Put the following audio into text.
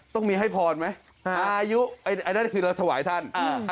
ต้องมีให้พรไหมอายุอันนั้นคือเราถวายท่าน